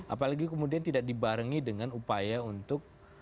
apalagi kemudian tidak dibarengi dengan upaya untuk